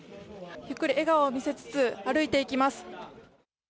ゆっくり笑顔を見せつつ歩いていきます。